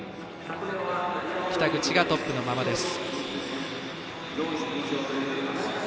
北口がトップのままです。